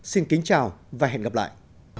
xin kính chào và hẹn gặp lại